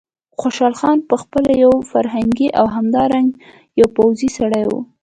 خوشحال خان په خپله یو فرهنګي او همدارنګه یو پوځي سړی و.